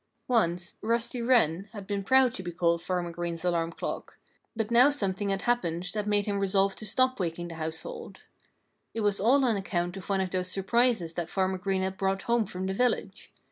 Once Rusty Wren had been proud to be called Farmer Green's alarm clock. But now something had happened that made him resolve to stop waking the household. It was all on account of one of those surprises that Farmer Green had brought home from the village.